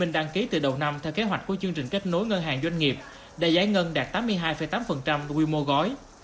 đã đăng ký từ đầu năm theo kế hoạch của chương trình kết nối ngân hàng doanh nghiệp để giải ngân đạt tám mươi hai tám quy mô gói